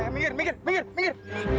minggir minggir minggir minggir